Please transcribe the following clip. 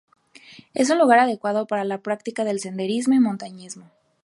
Es un lugar adecuado para la práctica de senderismo y montañismo.